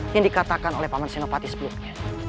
yang dikatakan oleh pak mas senopati sebelumnya